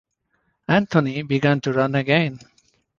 Anthony began to run again.